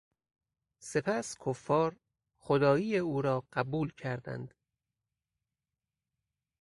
سپس کفار، خدایی او را قبول کردند.